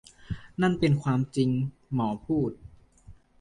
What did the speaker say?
นั่นเป็นความจริงหมอพูด